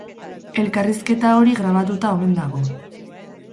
Elkarrizketa hori grabatuta omen dago.